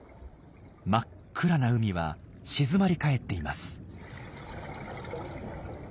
真っ暗な海は静まりかえっています。